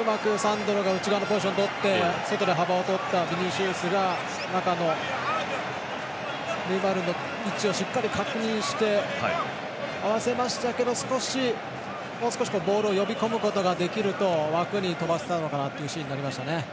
うまくサンドロが内側のポジションをとって外の幅をとったビニシウスが中のネイマールの位置をしっかり確認して、合わせましたけど少しもう少しボールを呼び込むことができれば枠に飛ばせたのかなというシーンになりましたね。